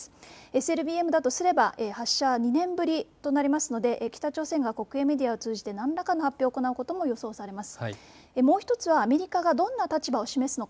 ＳＬＢＭだとすれば発射は２年ぶりとなりますので北朝鮮が国営メディアを通じて何らかの発表を行うことも予想されます。